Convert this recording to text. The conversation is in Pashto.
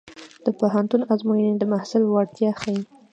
د پوهنتون ازموینې د محصل وړتیا ښيي.